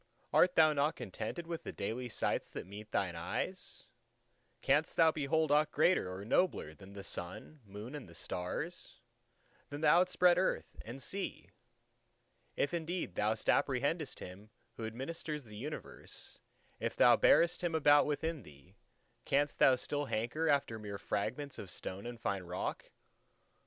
art thou not contented with the daily sights that meet thine eyes? canst thou behold aught greater or nobler than the Sun, Moon, and Stars; than the outspread Earth and Sea? If indeed thou apprehendest Him who administers the universe, if thou bearest Him about within thee, canst thou still hanker after mere fragments of stone and fine rock?